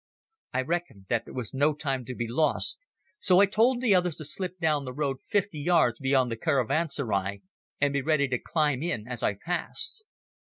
I reckoned that there was no time to be lost, so I told the others to slip down the road fifty yards beyond the caravanserai and be ready to climb in as I passed.